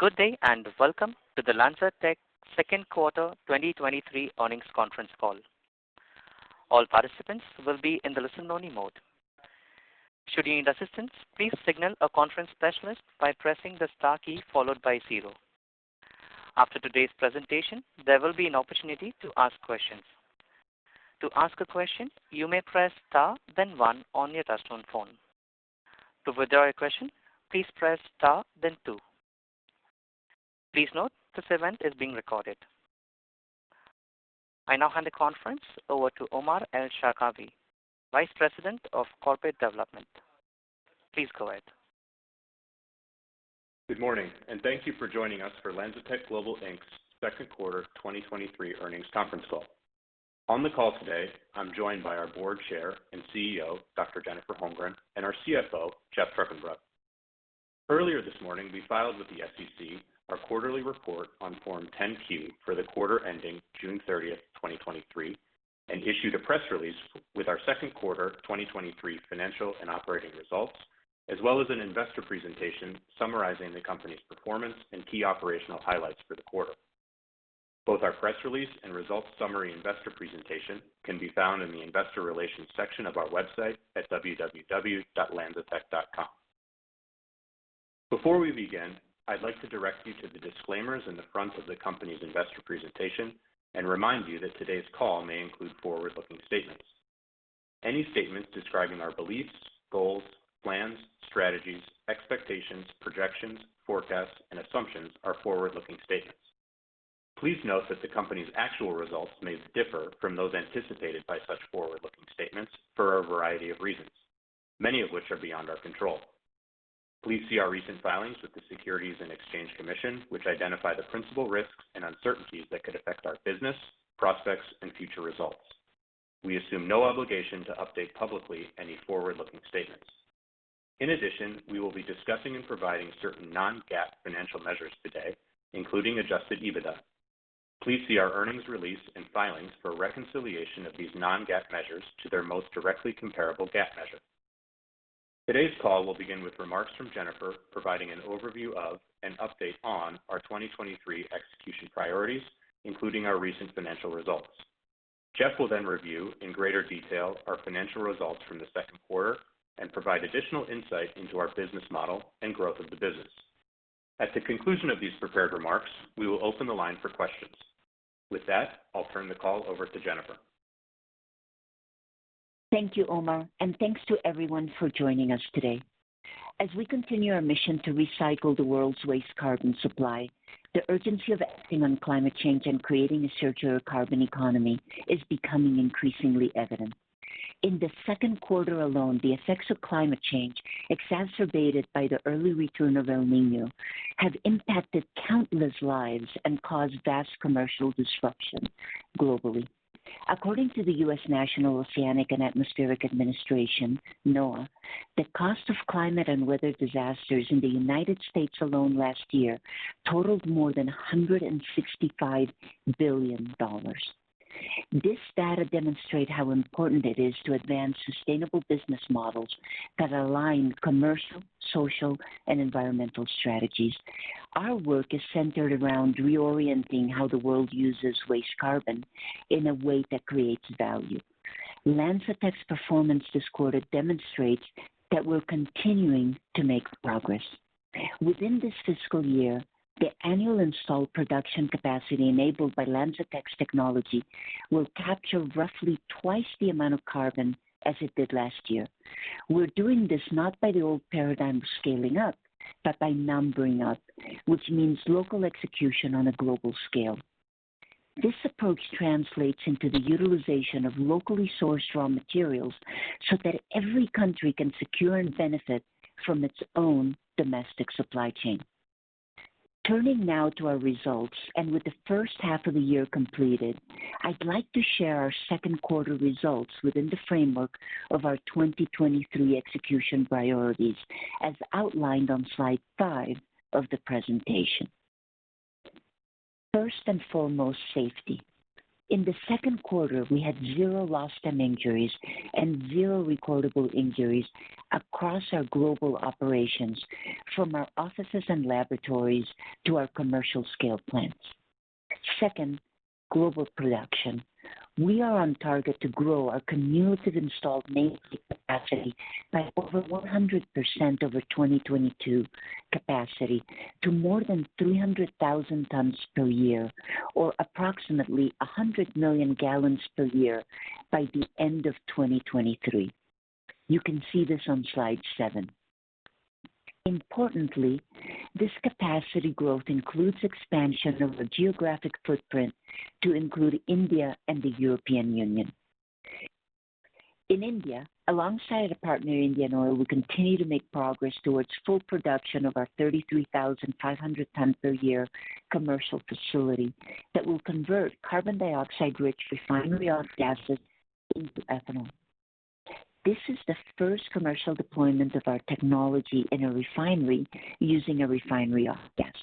Good day, and welcome to the LanzaTech Second Quarter 2023 Earnings Conference Call. All participants will be in the listen-only mode. Should you need assistance, please signal a conference specialist by pressing the Star key followed by zero. After today's presentation, there will be an opportunity to ask questions. To ask a question, you may press Star then one on your touchtone phone. To withdraw your question, please press Star then two. Please note, this event is being recorded. I now hand the conference over to Omar El-Sharkawy, Vice President of Corporate Development. Please go ahead. Good morning, thank you for joining us for LanzaTech Global, Inc.'s second quarter 2023 earnings conference call. On the call today, I'm joined by our Board Chair and CEO, Dr. Jennifer Holmgren, and our CFO, Geoff Trukenbrod. Earlier this morning, we filed with the SEC our quarterly report on Form 10-Q for the quarter ending June 30, 2023, and issued a press release with our second quarter 2023 financial and operating results, as well as an investor presentation summarizing the company's performance and key operational highlights for the quarter. Both our press release and results summary investor presentation can be found in the Investor Relations section of our website at www.LanzaTech.com. Before we begin, I'd like to direct you to the disclaimers in the front of the company's investor presentation and remind you that today's call may include forward-looking statements. Any statements describing our beliefs, goals, plans, strategies, expectations, projections, forecasts, and assumptions are forward-looking statements. Please note that the company's actual results may differ from those anticipated by such forward-looking statements for a variety of reasons, many of which are beyond our control. Please see our recent filings with the Securities and Exchange Commission, which identify the principal risks and uncertainties that could affect our business, prospects, and future results. We assume no obligation to update publicly any forward-looking statements. In addition, we will be discussing and providing certain non-GAAP financial measures today, including Adjusted EBITDA. Please see our earnings release and filings for a reconciliation of these non-GAAP measures to their most directly comparable GAAP measure. Today's call will begin with remarks from Jennifer, providing an overview of and update on our 2023 execution priorities, including our recent financial results. Geoff will review in greater detail our financial results from the second quarter and provide additional insight into our business model and growth of the business. At the conclusion of these prepared remarks, we will open the line for questions. With that, I'll turn the call over to Jennifer. Thank you, Omar, thanks to everyone for joining us today. As we continue our mission to recycle the world's waste carbon supply, the urgency of acting on climate change and creating a circular carbon economy is becoming increasingly evident. In the second quarter alone, the effects of climate change, exacerbated by the early return of El Niño, have impacted countless lives and caused vast commercial disruption globally. According to the U.S. National Oceanic and Atmospheric Administration, NOAA, the cost of climate and weather disasters in the United States alone last year totaled more than $165 billion. This data demonstrate how important it is to advance sustainable business models that align commercial, social, and environmental strategies. Our work is centered around reorienting how the world uses waste carbon in a way that creates value. LanzaTech's performance this quarter demonstrates that we're continuing to make progress. Within this fiscal year, the annual installed production capacity enabled by LanzaTech's technology will capture roughly twice the amount of carbon as it did last year. We're doing this not by the old paradigm of scaling up, but by numbering up, which means local execution on a global scale. This approach translates into the utilization of locally sourced raw materials so that every country can secure and benefit from its own domestic supply chain. Turning now to our results, and with the first half of the year completed, I'd like to share our second quarter results within the framework of our 2023 execution priorities, as outlined on slide 5 of the presentation. First and foremost, safety. In the second quarter, we had 0 lost-time injuries and 0 recordable injuries across our global operations, from our offices and laboratories to our commercial scale plants. Second, global production. We are on target to grow our cumulative installed nameplate capacity by over 100% over 2022 capacity to more than 300,000 tons per year, or approximately 100 million gallons per year by the end of 2023. You can see this on slide 7. Importantly, this capacity growth includes expansion of the geographic footprint to include India and the European Union. In India, alongside a partner, Indian Oil, we continue to make progress towards full production of our 33,500 tons per year commercial facility that will convert carbon dioxide-rich refinery off-gases into ethanol. This is the first commercial deployment of our technology in a refinery using a refinery off-gas.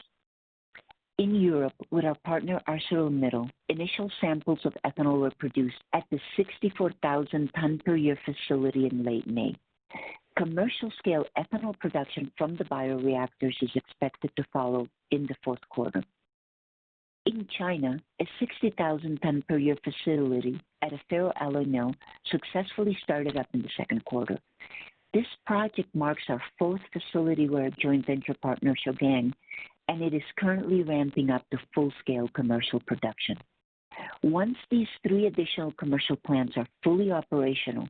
In Europe, with our partner, ArcelorMittal, initial samples of ethanol were produced at the 64,000 ton per year facility in late May. Commercial scale ethanol production from the bioreactors is expected to follow in the fourth quarter. In China, a 60,000 ton per year facility at a ferroalloy mill successfully started up in the second quarter. This project marks our fourth facility with our joint venture partner, Shougang, and it is currently ramping up to full-scale commercial production. Once these three additional commercial plants are fully operational,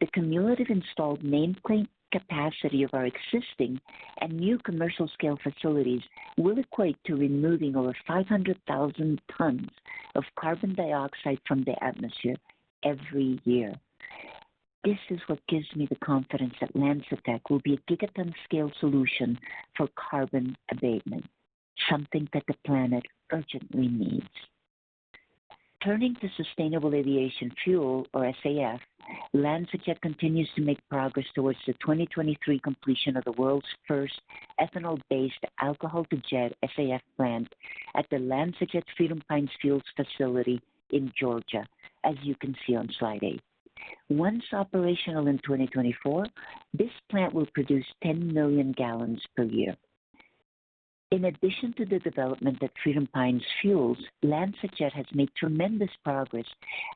the cumulative installed nameplate capacity of our existing and new commercial scale facilities will equate to removing over 500,000 tons of carbon dioxide from the atmosphere every year. This is what gives me the confidence that LanzaTech will be a gigaton-scale solution for carbon abatement, something that the planet urgently needs. Turning to sustainable aviation fuel, or SAF, LanzaJet continues to make progress towards the 2023 completion of the world's first ethanol-based alcohol-to-jet SAF plant at the LanzaJet Freedom Pines Fuels facility in Georgia, as you can see on slide 8. Once operational in 2024, this plant will produce 10 million gallons per year. In addition to the development at Freedom Pines Fuels, LanzaJet has made tremendous progress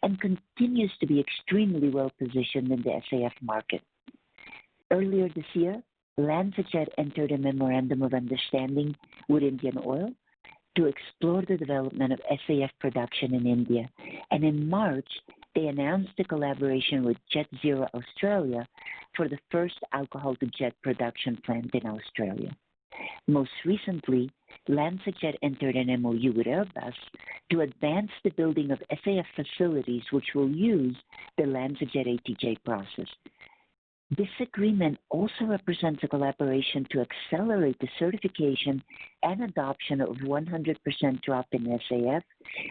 and continues to be extremely well-positioned in the SAF market. Earlier this year, LanzaJet entered a memorandum of understanding with Indian Oil to explore the development of SAF production in India, and in March, they announced a collaboration with Jet Zero Australia for the first alcohol-to-jet production plant in Australia. Most recently, LanzaJet entered an MOU with Airbus to advance the building of SAF facilities, which will use the LanzaJet ATJ process. This agreement also represents a collaboration to accelerate the certification and adoption of 100% drop-in SAF,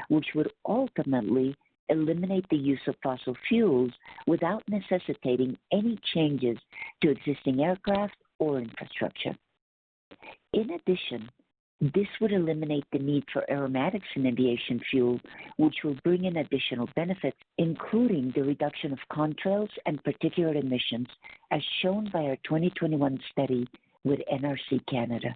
which would ultimately eliminate the use of fossil fuels without necessitating any changes to existing aircraft or infrastructure. In addition, this would eliminate the need for aromatics in aviation fuel, which will bring in additional benefits, including the reduction of contrails and particulate emissions, as shown by our 2021 study with NRC Canada.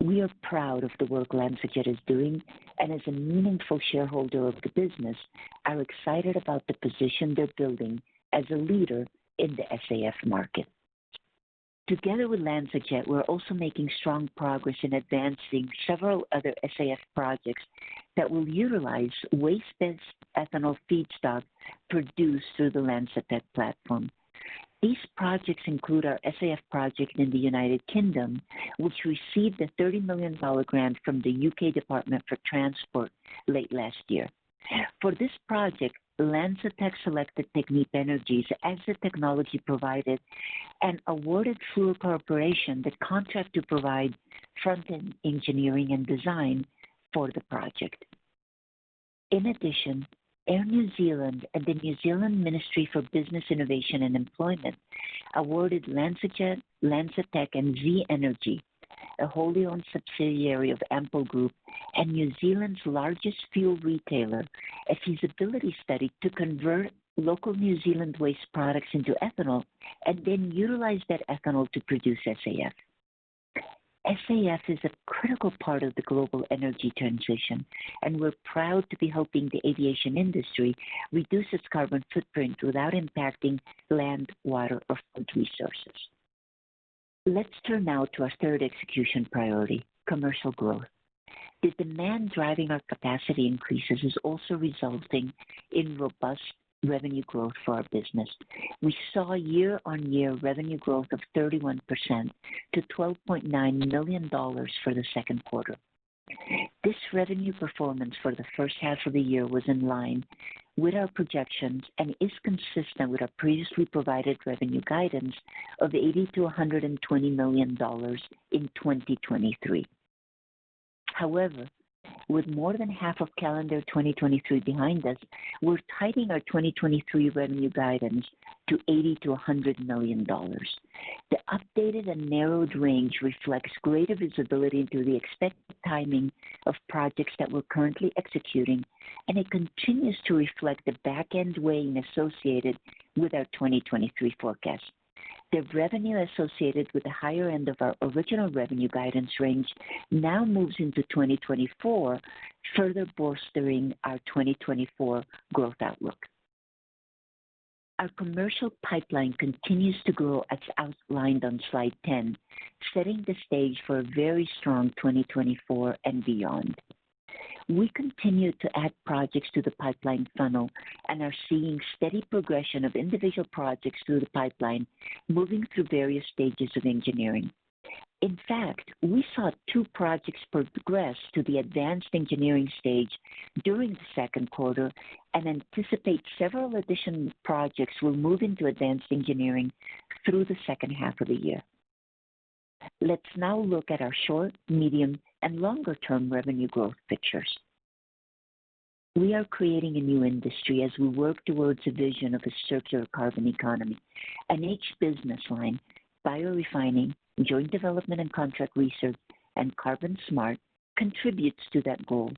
We are proud of the work LanzaJet is doing, and as a meaningful shareholder of the business, are excited about the position they're building as a leader in the SAF market. Together with LanzaJet, we're also making strong progress in advancing several other SAF projects that will utilize waste-based ethanol feedstock produced through the LanzaTech platform. These projects include our SAF project in the United Kingdom, which received a $30 million grant from the UK Department for Transport late last year. For this project, LanzaTech selected Technip Energies as the technology provider and awarded Fluor Corporation the contract to provide front-end engineering and design for the project. In addition, Air New Zealand and the Ministry of Business, Innovation and Employment awarded LanzaJet, LanzaTech and Z Energy, a wholly owned subsidiary of Ampol Group and New Zealand's largest fuel retailer, a feasibility study to convert local New Zealand waste products into ethanol and then utilize that ethanol to produce SAF. SAF is a critical part of the global energy transition. We're proud to be helping the aviation industry reduce its carbon footprint without impacting land, water, or food resources. Let's turn now to our third execution priority, commercial growth. The demand driving our capacity increases is also resulting in robust revenue growth for our business. We saw a year-on-year revenue growth of 31% to $12.9 million for the second quarter. This revenue performance for the first half of the year was in line with our projections and is consistent with our previously provided revenue guidance of $80 million-$120 million in 2023. However, with more than half of calendar 2023 behind us, we're tightening our 2023 revenue guidance to $80 million-$100 million. The updated and narrowed range reflects greater visibility into the expected timing of projects that we're currently executing, and it continues to reflect the back end weighing associated with our 2023 forecast. The revenue associated with the higher end of our original revenue guidance range now moves into 2024, further bolstering our 2024 growth outlook. Our commercial pipeline continues to grow as outlined on slide 10, setting the stage for a very strong 2024 and beyond. We continue to add projects to the pipeline funnel and are seeing steady progression of individual projects through the pipeline, moving through various stages of engineering. In fact, we saw two projects progress to the advanced engineering stage during the second quarter and anticipate several additional projects will move into advanced engineering through the second half of the year. Let's now look at our short, medium, and longer-term revenue growth pictures. We are creating a new industry as we work towards a vision of a circular carbon economy, and each business line, biorefining, joint development and contract research, and CarbonSmart, contributes to that goal.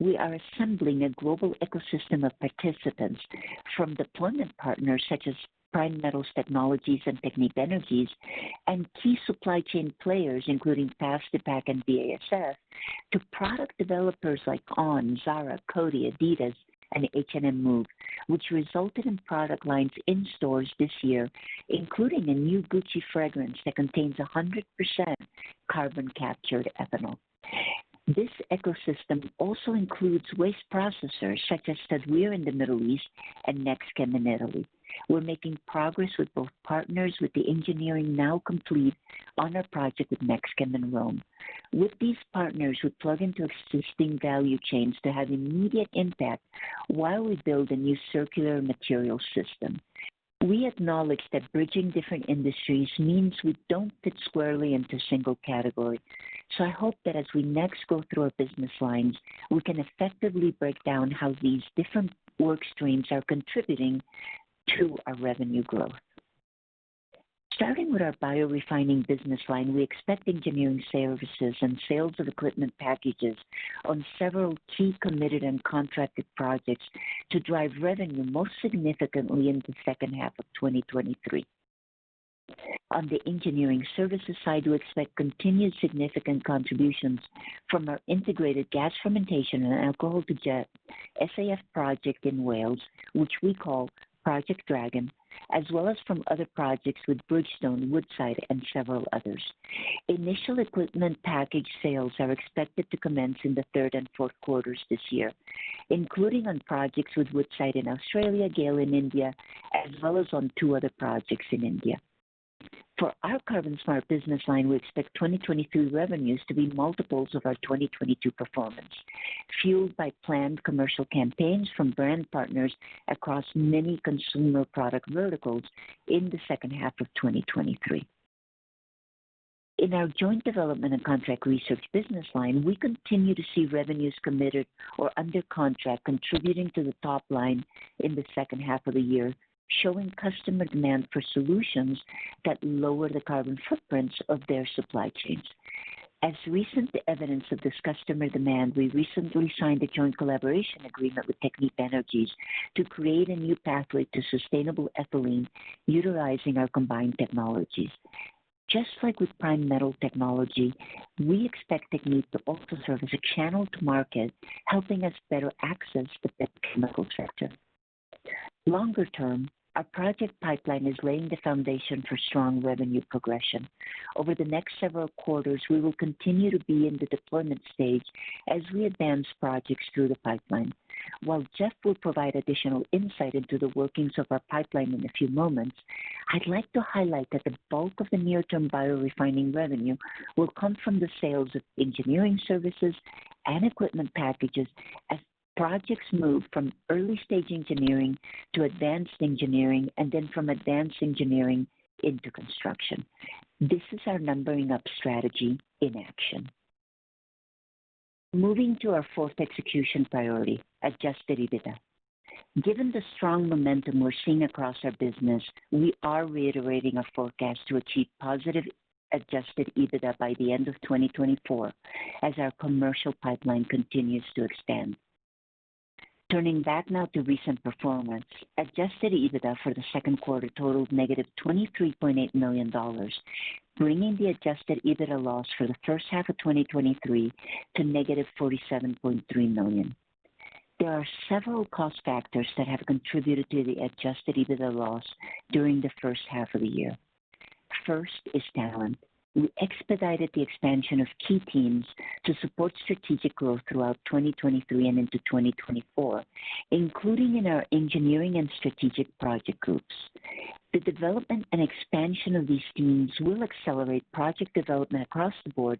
We are assembling a global ecosystem of participants from deployment partners such as Primetals Technologies and Technip Energies, and key supply chain players, including Plastipak and BASF, to product developers like On, Zara, Coty, Adidas, and H&M Move, which resulted in product lines in stores this year, including a new Gucci fragrance that contains 100% carbon-captured ethanol. This ecosystem also includes waste processors such as Sadara in the Middle East and NextChem in Italy. We're making progress with both partners, with the engineering now complete on our project with NextChem in Rome. With these partners, we plug into existing value chains to have immediate impact while we build a new circular material system. We acknowledge that bridging different industries means we don't fit squarely into a single category. I hope that as we next go through our business lines, we can effectively break down how these different work streams are contributing to our revenue growth. Starting with our biorefining business line, we expect engineering services and sales of equipment packages on several key committed and contracted projects to drive revenue most significantly in the second half of 2023. On the engineering services side, we expect continued significant contributions from our integrated gas fermentation and alcohol-to-jet SAF project in Wales, which we call Project Dragon, as well as from other projects with Bridgestone, Woodside, and several others. Initial equipment package sales are expected to commence in the third and fourth quarters this year, including on projects with Woodside in Australia, GAIL in India, as well as on 2 other projects in India. For our CarbonSmart business line, we expect 2023 revenues to be multiples of our 2022 performance, fueled by planned commercial campaigns from brand partners across many consumer product verticals in the second half of 2023. In our joint development and contract research business line, we continue to see revenues committed or under contract, contributing to the top line in the second half of the year, showing customer demand for solutions that lower the carbon footprints of their supply chains. As recent evidence of this customer demand, we recently signed a joint collaboration agreement with Technip Energies to create a new pathway to sustainable ethylene, utilizing our combined technologies. Just like with Primetals Technologies, we expect Technip to also serve as a channel to market, helping us better access the chemical sector. Longer term, our project pipeline is laying the foundation for strong revenue progression. Over the next several quarters, we will continue to be in the deployment stage as we advance projects through the pipeline. While Geoff will provide additional insight into the workings of our pipeline in a few moments, I'd like to highlight that the bulk of the near-term biorefining revenue will come from the sales of engineering services and equipment packages as projects move from early-stage engineering to advanced engineering, and then from advanced engineering into construction. This is our numbering-up strategy in action. Moving to our fourth execution priority, Adjusted EBITDA. Given the strong momentum we're seeing across our business, we are reiterating our forecast to achieve positive Adjusted EBITDA by the end of 2024 as our commercial pipeline continues to expand. Turning back now to recent performance, Adjusted EBITDA for the second quarter totaled -$23.8 million, bringing the Adjusted EBITDA loss for the first half of 2023 to -$47.3 million. There are several cost factors that have contributed to the Adjusted EBITDA loss during the first half of the year. First is talent. We expedited the expansion of key teams to support strategic growth throughout 2023 and into 2024, including in our engineering and strategic project groups. The development and expansion of these teams will accelerate project development across the board,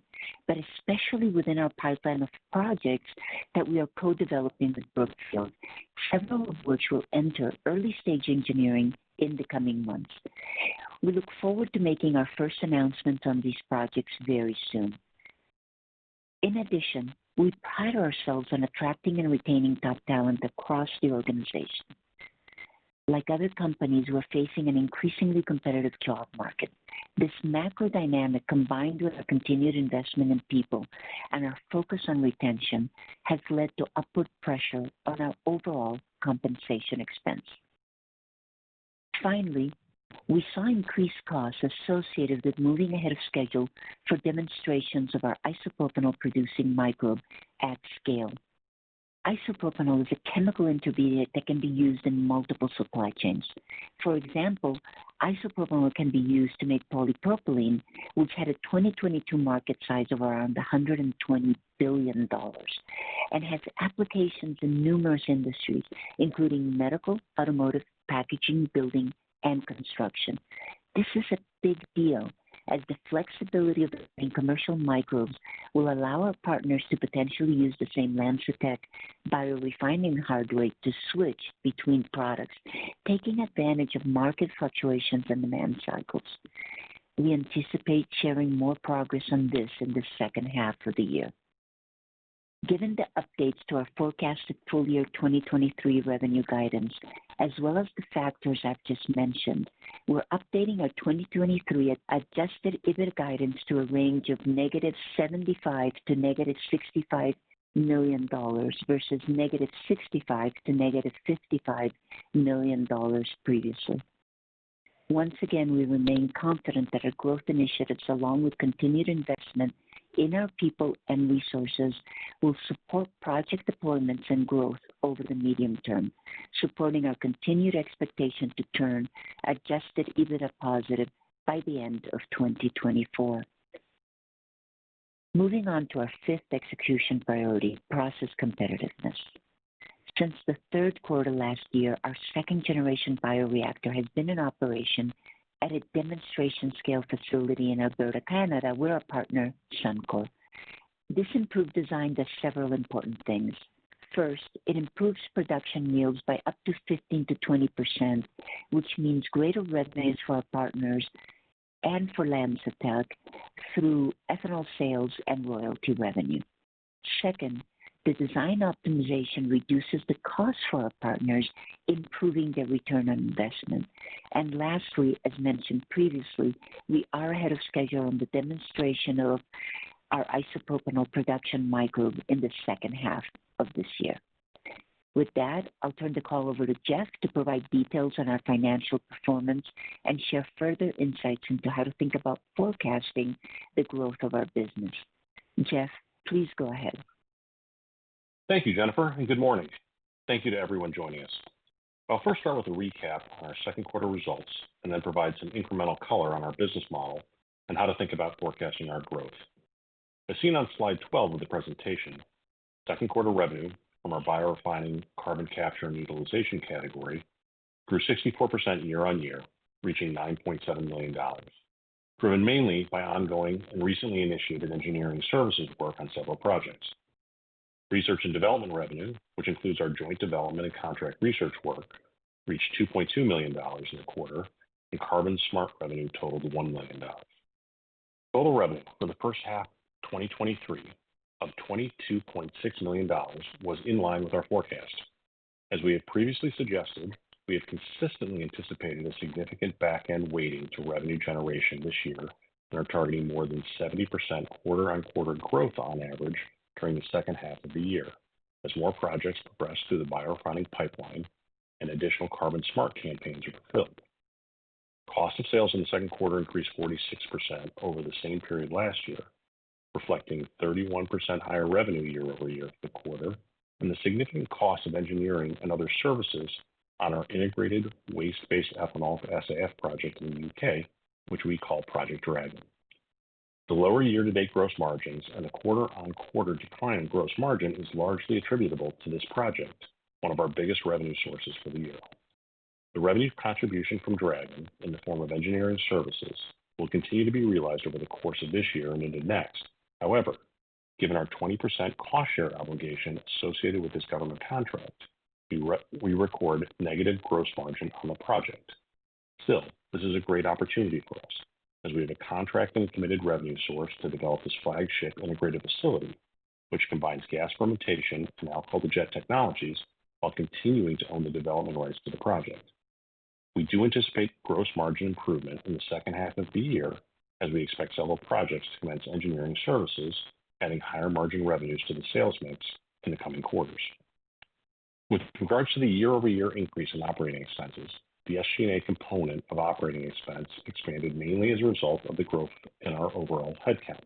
but especially within our pipeline of projects that we are co-developing with Brookfield, several of which will enter early-stage engineering in the coming months. We look forward to making our first announcement on these projects very soon. In addition, we pride ourselves on attracting and retaining top talent across the organization. Like other companies, we're facing an increasingly competitive job market. This macro dynamic, combined with our continued investment in people and our focus on retention, has led to upward pressure on our overall compensation expense. Finally, we saw increased costs associated with moving ahead of schedule for demonstrations of our isopropanol-producing microbe at scale. Isopropanol is a chemical intermediate that can be used in multiple supply chains. For example, isopropanol can be used to make polypropylene, which had a 2022 market size of around $120 billion, and has applications in numerous industries, including medical, automotive, packaging, building, and construction. This is a big deal, as the flexibility of commercial microbes will allow our partners to potentially use the same LanzaTech biorefining hardware to switch between products, taking advantage of market fluctuations and demand cycles. We anticipate sharing more progress on this in the second half of the year. Given the updates to our forecasted full year 2023 revenue guidance, as well as the factors I've just mentioned, we're updating our 2023 Adjusted EBITDA guidance to a range of -$75 million to -$65 million versus -$65 million to -$55 million previously. Once again, we remain confident that our growth initiatives, along with continued investment in our people and resources, will support project deployments and growth over the medium term, supporting our continued expectation to turn Adjusted EBITDA positive by the end of 2024. Moving on to our fifth execution priority, process competitiveness. Since the third quarter last year, our second generation bioreactor has been in operation at a demonstration scale facility in Alberta, Canada, with our partner, Suncor. This improved design does several important things. First, it improves production yields by up to 15%-20%, which means greater revenues for our partners and for LanzaTech through ethanol sales and royalty revenue. Second, the design optimization reduces the cost for our partners, improving their return on investment. Lastly, as mentioned previously, we are ahead of schedule on the demonstration of our isopropanol production microbe in the second half of this year. With that, I'll turn the call over to Geoff to provide details on our financial performance and share further insights into how to think about forecasting the growth of our business. Geoff, please go ahead. Thank you, Jennifer, and good morning. Thank you to everyone joining us. I'll first start with a recap on our second quarter results and then provide some incremental color on our business model and how to think about forecasting our growth. As seen on slide 12 of the presentation, second quarter revenue from our biorefining, carbon capture and utilization category grew 64% year-on-year, reaching $9.7 million, driven mainly by ongoing and recently initiated engineering services work on several projects. Research and development revenue, which includes our joint development and contract research work, reached $2.2 million in the quarter, and CarbonSmart revenue totaled $1 million. Total revenue for the first half of 2023 of $22.6 million was in line with our forecast. As we had previously suggested, we have consistently anticipated a significant back-end weighting to revenue generation this year and are targeting more than 70% quarter-on-quarter growth on average during the second half of the year, as more projects progress through the biorefining pipeline and additional CarbonSmart campaigns are fulfilled. Cost of sales in the second quarter increased 46% over the same period last year, reflecting 31% higher revenue year-over-year for the quarter, and the significant cost of engineering and other services on our integrated waste-based ethanol SAF project in the U.K., which we call Project Dragon. The lower year-to-date gross margins and a quarter-on-quarter decline in gross margin is largely attributable to this project, one of our biggest revenue sources for the year. The revenue contribution from Project Dragon, in the form of engineering services, will continue to be realized over the course of this year and into next. However, given our 20% cost share obligation associated with this government contract, we record negative gross margin on the project. Still, this is a great opportunity for us, as we have a contract and committed revenue source to develop this flagship integrated facility, which combines gas fermentation and alcohol-to-jet technologies, while continuing to own the development rights to the project. We do anticipate gross margin improvement in the second half of the year, as we expect several projects to commence engineering services, adding higher margin revenues to the sales mix in the coming quarters. With regards to the year-over-year increase in operating expenses, the SG&A component of operating expense expanded mainly as a result of the growth in our overall headcount,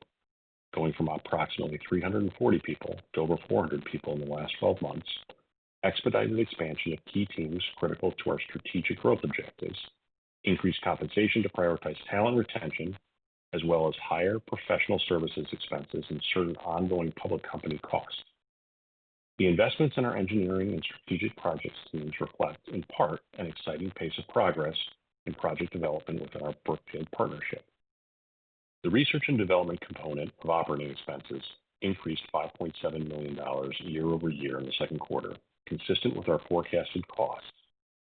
going from approximately 340 people to over 400 people in the last 12 months, expedited expansion of key teams critical to our strategic growth objectives, increased compensation to prioritize talent retention, as well as higher professional services expenses and certain ongoing public company costs. The investments in our engineering and strategic projects teams reflect, in part, an exciting pace of progress in project development with our Brookfield Renewable partnership. The research and development component of operating expenses increased $5.7 million year-over-year in the second quarter, consistent with our forecasted costs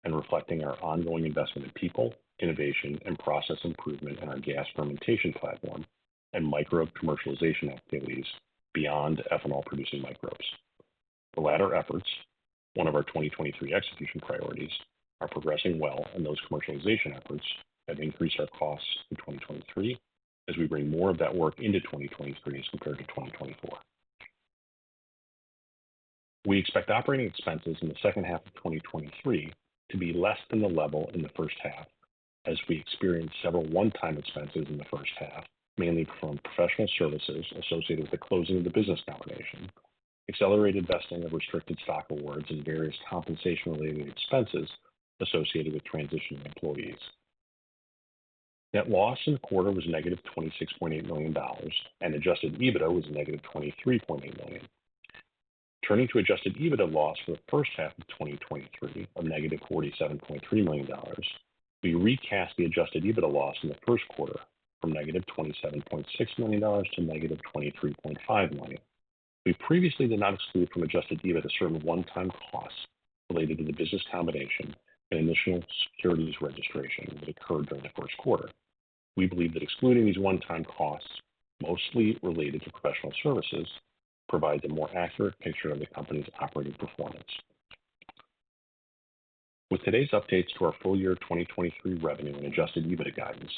and reflecting our ongoing investment in people, innovation, and process improvement in our gas fermentation platform and microbe commercialization activities beyond ethanol-producing microbes. The latter efforts, one of our 2023 execution priorities, are progressing well, and those commercialization efforts have increased our costs in 2023 as we bring more of that work into 2023 as compared to 2024. We expect operating expenses in the second half of 2023 to be less than the level in the first half, as we experienced several one-time expenses in the first half, mainly from professional services associated with the closing of the business combination, accelerated vesting of restricted stock awards, and various compensation-related expenses associated with transitioning employees. Net loss in the quarter was -$26.8 million, and Adjusted EBITDA was -$23.8 million. Turning to Adjusted EBITDA loss for the first half of 2023, of -$47.3 million, we recast the Adjusted EBITDA loss in the first quarter from -$27.6 million to -$23.5 million. We previously did not exclude from Adjusted EBITDA certain one-time costs related to the business combination and initial securities registration that occurred during the first quarter. We believe that excluding these one-time costs, mostly related to professional services, provides a more accurate picture of the company's operating performance. With today's updates to our full year 2023 revenue and Adjusted EBITDA guidance,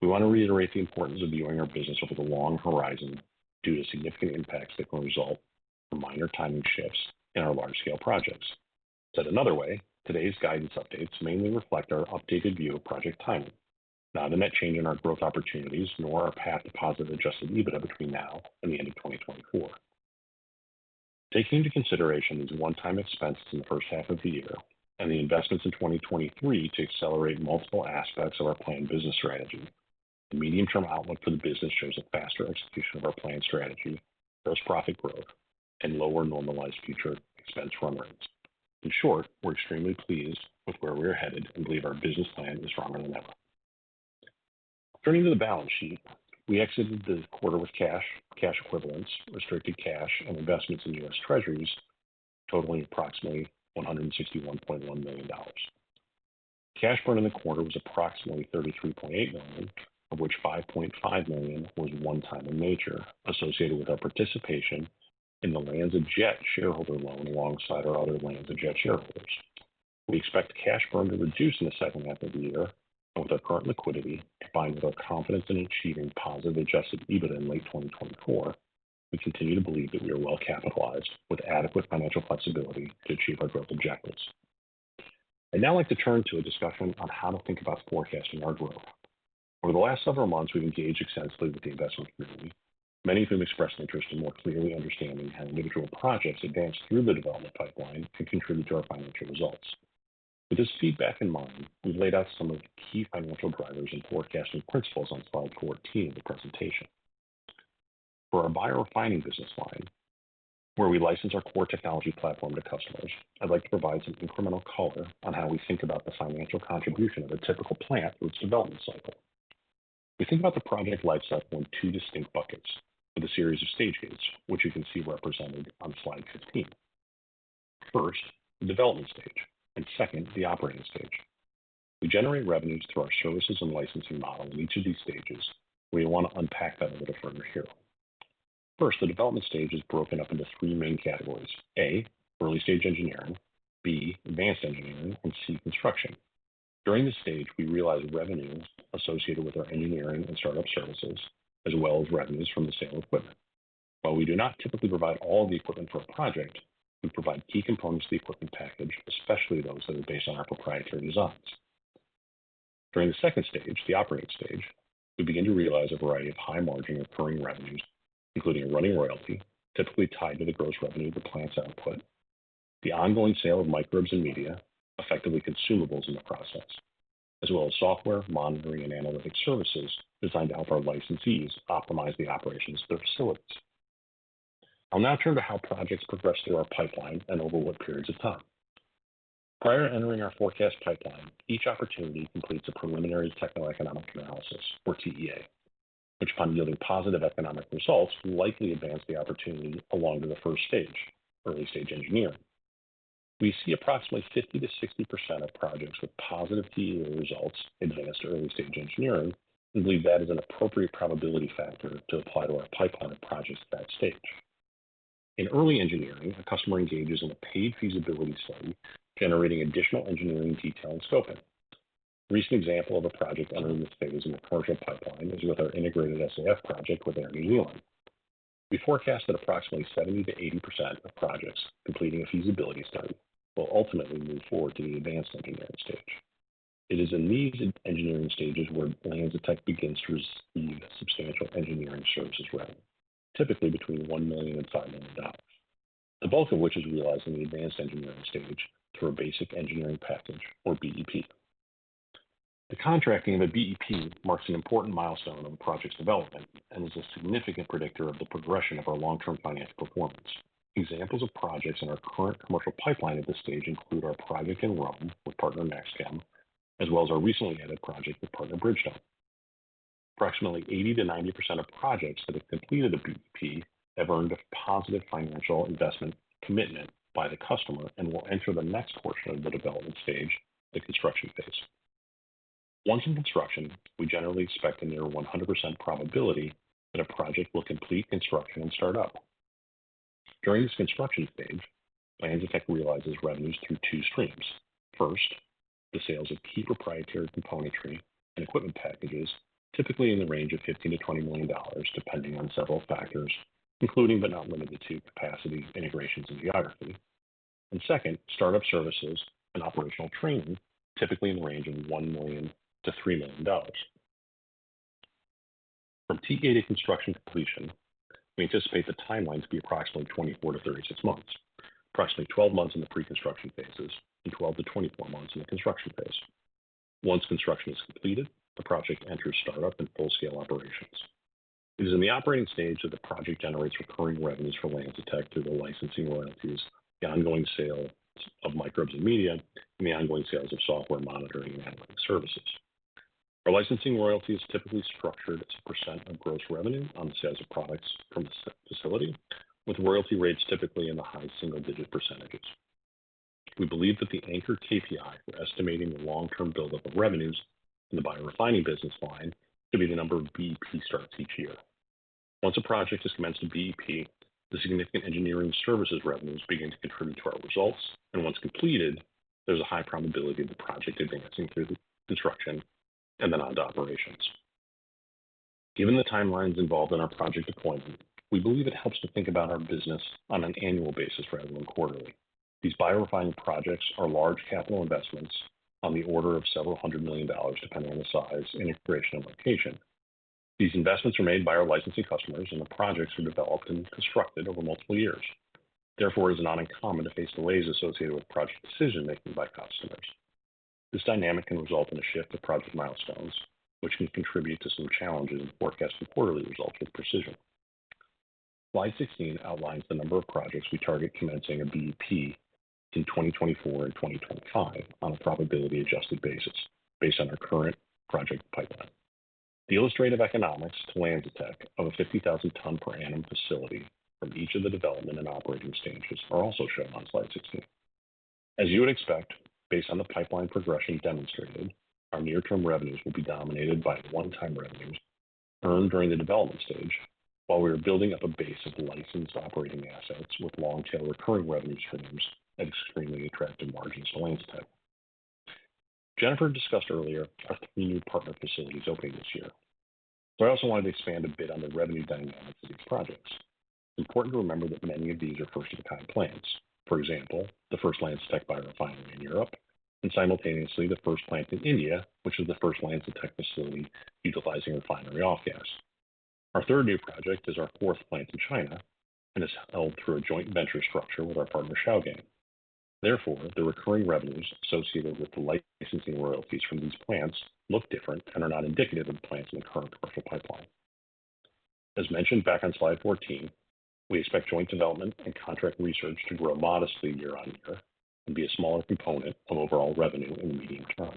we want to reiterate the importance of viewing our business over the long horizon due to significant impacts that can result from minor timing shifts in our large-scale projects. Said another way, today's guidance updates mainly reflect our updated view of project timing, not a net change in our growth opportunities, nor our path to positive Adjusted EBITDA between now and the end of 2024. Taking into consideration the one-time expenses in the first half of the year and the investments in 2023 to accelerate multiple aspects of our planned business strategy, the medium-term outlook for the business shows a faster execution of our planned strategy, gross profit growth, and lower normalized future expense run rates. In short, we're extremely pleased with where we are headed and believe our business plan is stronger than ever. Turning to the balance sheet, we exited the quarter with cash, cash equivalents, restricted cash, and investments in US Treasuries totaling approximately $161.1 million. Cash burn in the quarter was approximately $33.8 million, of which $5.5 million was one-time in nature, associated with our participation in the LanzaJet shareholder loan alongside our other LanzaJet shareholders. We expect cash burn to reduce in the second half of the year, and with our current liquidity, combined with our confidence in achieving positive Adjusted EBITDA in late 2024, we continue to believe that we are well capitalized with adequate financial flexibility to achieve our growth objectives. I'd now like to turn to a discussion on how to think about forecasting our growth. Over the last several months, we've engaged extensively with the investment community, many of whom expressed interest in more clearly understanding how individual projects advance through the development pipeline and contribute to our financial results. With this feedback in mind, we've laid out some of the key financial drivers and forecasting principles on slide 14 of the presentation. For our biorefining business line, where we license our core technology platform to customers, I'd like to provide some incremental color on how we think about the financial contribution of a typical plant through its development cycle. We think about the project life cycle in two distinct buckets with a series of stage gates, which you can see represented on slide 15. First, the development stage, and second, the operating stage. We generate revenues through our services and licensing model in each of these stages, and we want to unpack that a little further here. First, the development stage is broken up into three main categories: A, early stage engineering, B, advanced engineering, and C, construction. During this stage, we realize revenues associated with our engineering and startup services, as well as revenues from the sale of equipment. While we do not typically provide all of the equipment for a project, we provide key components to the equipment package, especially those that are based on our proprietary designs. During the second stage, the operating stage, we begin to realize a variety of high margin recurring revenues, including a running royalty, typically tied to the gross revenue of the plant's output, the ongoing sale of microbes and media, effectively consumables in the process, as well as software, monitoring, and analytics services designed to help our licensees optimize the operations of their facilities. I'll now turn to how projects progress through our pipeline and over what periods of time. Prior to entering our forecast pipeline, each opportunity completes a preliminary techno-economic analysis or TEA, which upon yielding positive economic results, will likely advance the opportunity along to the first stage, early stage engineering. We see approximately 50%-60% of projects with positive TEA results advance to early stage engineering and believe that is an appropriate probability factor to apply to our pipeline of projects at that stage. In early engineering, a customer engages in a paid feasibility study, generating additional engineering detail and scoping. A recent example of a project entering this phase in the commercial pipeline is with our integrated SAF project with Air New Zealand. We forecast that approximately 70%-80% of projects completing a feasibility study will ultimately move forward to the advanced engineering stage. It is in these engineering stages where LanzaTech begins to receive substantial engineering services revenue, typically between $1 million-$5 million, the bulk of which is realized in the advanced engineering stage through a basic engineering package or BEP. The contracting of a BEP marks an important milestone in the project's development and is a significant predictor of the progression of our long-term financial performance. Examples of projects in our current commercial pipeline at this stage include our project in Rome with partner NextChem, as well as our recently added project with partner Bridgestone. Approximately 80%-90% of projects that have completed a BEP have earned a positive financial investment commitment by the customer and will enter the next portion of the development stage, the construction phase. Once in construction, we generally expect a near 100% probability that a project will complete construction and start up. During this construction stage, LanzaTech realizes revenues through two streams. First, the sales of key proprietary componentry and equipment packages, typically in the range of $15 million-$20 million, depending on several factors, including but not limited to capacity, integrations, and geography. Second, startup services and operational training, typically in the range of $1 million-$3 million. From TEA to construction completion, we anticipate the timeline to be approximately 24-36 months, approximately 12 months in the preconstruction phases and 12-24 months in the construction phase. Once construction is completed, the project enters startup and full-scale operations. It is in the operating stage that the project generates recurring revenues for LanzaTech through the licensing royalties, the ongoing sales of microbes and media, and the ongoing sales of software monitoring and analytics services. Our licensing royalty is typically structured as a % of gross revenue on the sales of products from the facility, with royalty rates typically in the high single-digit %. We believe that the anchor KPI for estimating the long-term buildup of revenues in the biorefining business line to be the number of BEP starts each year. Once a project has commenced a BEP, the significant engineering services revenues begin to contribute to our results, and once completed, there's a high probability of the project advancing through the construction and then on to operations. Given the timelines involved in our project deployment, we believe it helps to think about our business on an annual basis rather than quarterly. These biorefining projects are large capital investments on the order of $several hundred million, depending on the size and integration of location. These investments are made by our licensing customers, and the projects are developed and constructed over multiple years. Therefore, it is not uncommon to face delays associated with project decision-making by customers. This dynamic can result in a shift of project milestones, which can contribute to some challenges in forecasting quarterly results with precision. Slide 16 outlines the number of projects we target commencing a BEP in 2024 and 2025 on a probability-adjusted basis based on our current project pipeline. The illustrative economics to LanzaTech of a 50,000 ton per annum facility from each of the development and operating stages are also shown on slide 16. As you would expect, based on the pipeline progression demonstrated, our near-term revenues will be dominated by one-time revenues earned during the development stage while we are building up a base of licensed operating assets with long-tail recurring revenue streams at extremely attractive margins to LanzaTech. Jennifer discussed earlier our three new partner facilities opening this year. I also wanted to expand a bit on the revenue dynamics of these projects. It's important to remember that many of these are first-of-their-kind plants. For example, the first LanzaTech biorefinery in Europe and simultaneously the first plant in India, which is the first LanzaTech facility utilizing refinery off-gas. Our third new project is our fourth plant in China and is held through a joint venture structure with our partner, Shougang. Therefore, the recurring revenues associated with the light licensing royalties from these plants look different and are not indicative of the plants in the current commercial pipeline. As mentioned back on slide 14, we expect joint development and contract research to grow modestly year-over-year and be a smaller component of overall revenue in the medium term.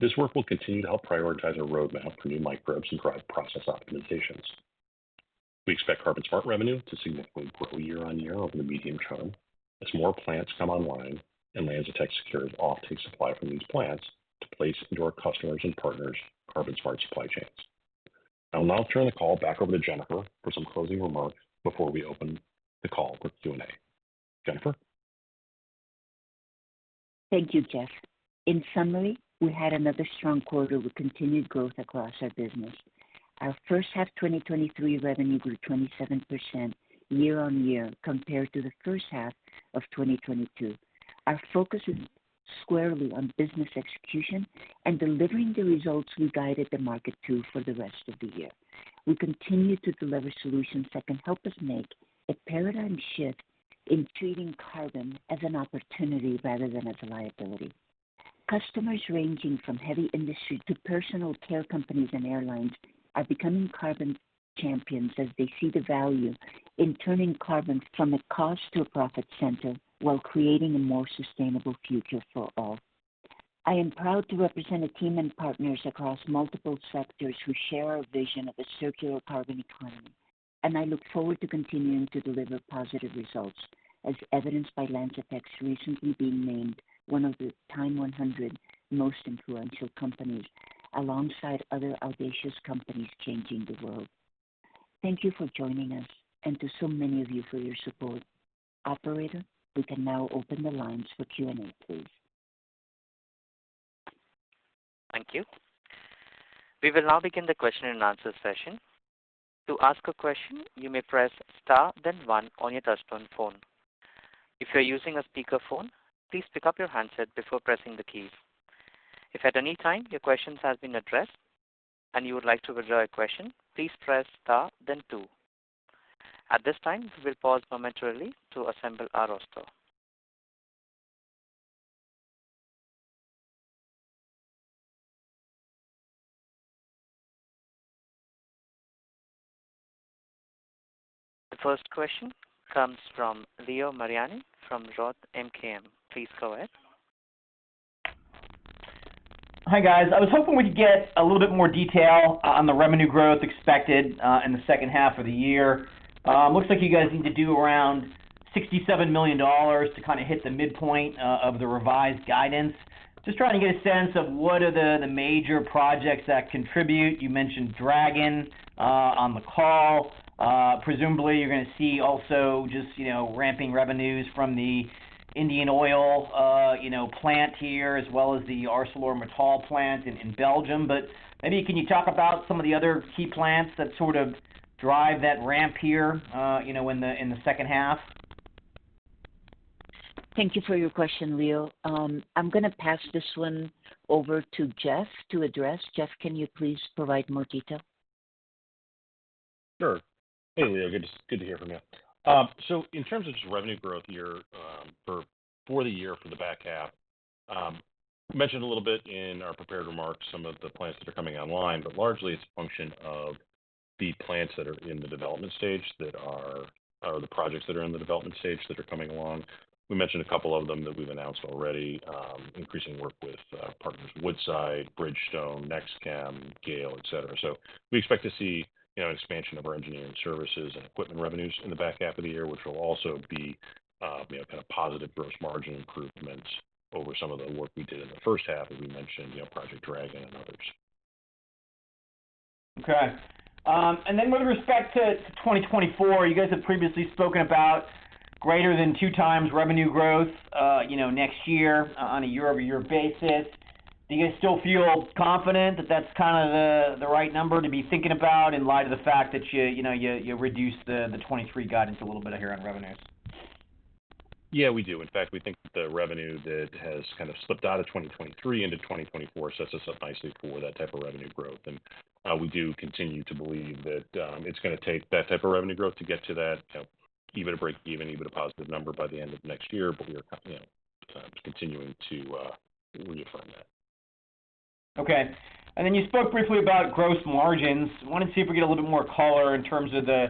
This work will continue to help prioritize our roadmap for new microbes and drive process optimizations. We expect CarbonSmart revenue to significantly grow year-over-year over the medium term as more plants come online and LanzaTech secures offtake supply from these plants to place into our customers' and partners' CarbonSmart supply chains. I'll now turn the call back over to Jennifer for some closing remarks before we open the call for Q&A. Jennifer? Thank you, Geoff. In summary, we had another strong quarter with continued growth across our business. Our first half 2023 revenue grew 27% year-on-year compared to the first half of 2022. Our focus is squarely on business execution and delivering the results we guided the market to for the rest of the year. We continue to deliver solutions that can help us make a paradigm shift in treating carbon as an opportunity rather than as a liability. Customers ranging from heavy industry to personal care companies and airlines are becoming carbon champions as they see the value in turning carbon from a cost to a profit center while creating a more sustainable future for all. I am proud to represent a team and partners across multiple sectors who share our vision of a circular carbon economy, and I look forward to continuing to deliver positive results, as evidenced by LanzaTech's recently being named one of the TIME100 Most Influential Companies, alongside other audacious companies changing the world. Thank you for joining us and to so many of you for your support. Operator, we can now open the lines for Q&A, please. Thank you. We will now begin the question and answer session. To ask a question, you may press star, then one on your touch-tone phone. If you're using a speakerphone, please pick up your handset before pressing the keys. If at any time your questions has been addressed and you would like to withdraw your question, please press star then two. At this time, we will pause momentarily to assemble our roster. The first question comes from Leo Mariani from Roth MKM. Please go ahead. Hi, guys. I was hoping we'd get a little bit more detail on the revenue growth expected in the second half of the year. Looks like you guys need to do around $67 million to kind of hit the midpoint of the revised guidance. Just trying to get a sense of what are the, the major projects that contribute. You mentioned Dragon on the call. Presumably, you're going to see also just, you know, ramping revenues from the Indian Oil, you know, plant here, as well as the ArcelorMittal plant in Belgium. Maybe can you talk about some of the other key plants that sort of drive that ramp here, you know, in the, in the second half? Thank you for your question, Leo. I'm going to pass this one over to Geoff to address., Geoff can you please provide more detail? Sure. Hey, Leo, good to, good to hear from you. In terms of just revenue growth year, for the year for the back half, we mentioned a little bit in our prepared remarks some of the plants that are coming online, but largely it's a function of the plants that are in the development stage that are, or the projects that are in the development stage that are coming along. We mentioned a couple of them that we've announced already, increasing work with partners Woodside, Bridgestone, NextChem, GAIL, et cetera. We expect to see, you know, expansion of our engineering services and equipment revenues in the back half of the year, which will also be, you know, kind of positive gross margin improvements over some of the work we did in the first half, as we mentioned, you know, Project Dragon and others. Then with respect to 2024, you guys have previously spoken about greater than 2x revenue growth, you know, next year on a year-over-year basis. Do you guys still feel confident that that's kind of the right number to be thinking about in light of the fact that you, you know, you, you reduced the 2023 guidance a little bit here on revenues? Yeah, we do. In fact, we think that the revenue that has kind of slipped out of 2023 into 2024 sets us up nicely for that type of revenue growth. We do continue to believe that it's gonna take that type of revenue growth to get to that, you know, even a break even, even a positive number by the end of next year. We are, you know, just continuing to reaffirm that. Okay. You spoke briefly about gross margins. I wanted to see if we get a little bit more color in terms of the